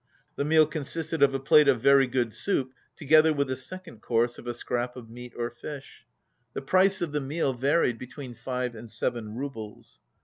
The meal con sisted of a plate of very good soup, together with a second course of a scrap of meat or fish. The price of the meal varied between five and seven roubles.